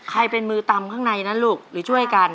เป็นมือตำข้างในนะลูกหรือช่วยกัน